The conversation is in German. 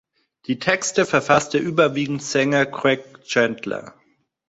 Die Texte verfasste überwiegend Sänger Greg Chandler.